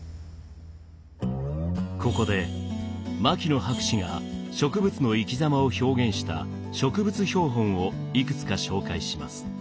ここで牧野博士が植物の生き様を表現した植物標本をいくつか紹介します。